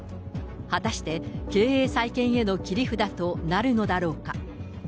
果たして経営再建への切り札となるのだろうか。